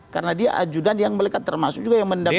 karena dia yajudante yang mereka termasuk juga yang mendampingi